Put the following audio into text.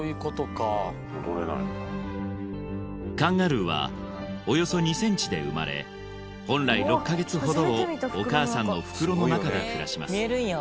カンガルーはおよそ２ｃｍで生まれ本来６か月ほどをお母さんの袋の中で暮らします